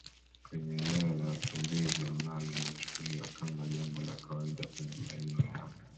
kwenye eneo la wakimbizi ambalo linachukuliwa kama jambo la kawaida Kwenye maeneo yao